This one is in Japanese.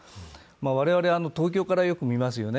我々、東京からよく見ますよね。